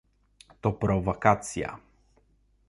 To prowokacja